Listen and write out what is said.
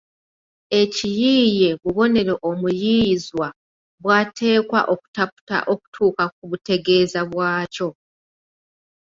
Ekiyiiye bubonero omuyiiyizwa bw’ateekwa okutaputa okutuuka ku butegeeza bwakyo